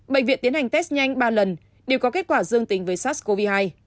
bệnh viện tiến hành test nhanh ba lần đều có kết quả dương tính với sars cov hai